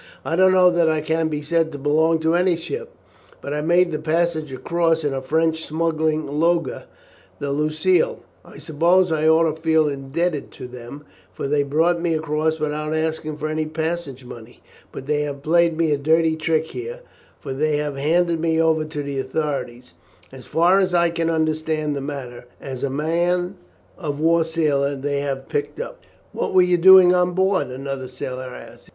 "I don't know that I can be said to belong to any ship, but I made the passage across in a French smuggling lugger, the Lucille. I suppose I ought to feel indebted to them, for they brought me across without asking for any passage money; but they have played me a dirty trick here, for they have handed me over to the authorities, as far as I can understand the matter, as a man of war sailor they have picked up." "What were you doing on board?" another sailor asked.